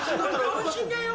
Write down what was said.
おいしいんだよ。